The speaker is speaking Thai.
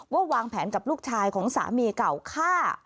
วางแผนกับลูกชายของสามีเก่าฆ่า